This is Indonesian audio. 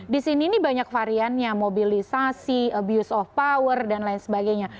di sini ini banyak variannya mobilisasi abuse of power dan lain sebagainya